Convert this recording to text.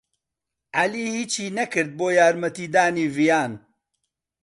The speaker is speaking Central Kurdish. عەلی ھیچی نەکرد بۆ یارمەتیدانی ڤیان.